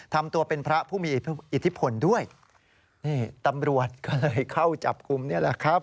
ทำตัวเป็นพระผู้มีอิทธิพลด้วยนี่ตำรวจก็เลยเข้าจับกลุ่มนี่แหละครับ